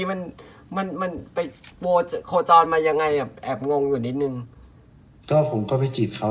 หนูดูเป็นคนดีก็ชอบก็เลยไปจีบเขาอะ